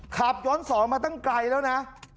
ขับย้อนสอนมาตั้งไกลแล้วนะ